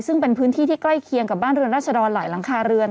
ซึ่งเป็นพื้นที่ที่ใกล้เคียงกับบ้านเรือนราชดรหลายหลังคาเรือน